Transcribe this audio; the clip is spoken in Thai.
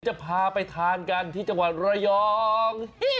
จะพาไปทานกันที่จังหวัดระยอง